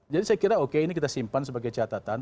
jadi saya kira oke ini kita simpan sebagai catatan